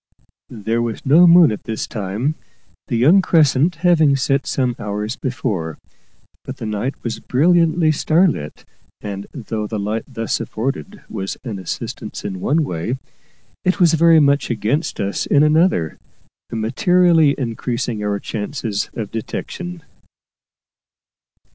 There was no moon at this time, the young crescent having set some hours before; but the night was brilliantly starlit, and, though the light thus afforded was an assistance in one way, it was very much against us in another, materially increasing our chances of detection.